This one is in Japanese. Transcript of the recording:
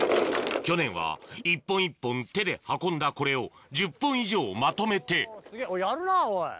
去年は一本一本手で運んだこれを１０本以上まとめてやるなおい